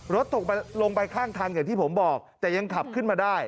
รถตกลงไปข้างทางอย่างที่ผมบอกแต่ยังขับขึ้นมาได้